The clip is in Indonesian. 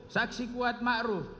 saksi kuat makruf